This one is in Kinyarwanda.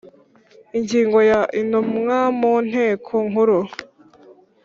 Ingingo ya intumwa mu nteko nkuru